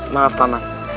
maaf pak man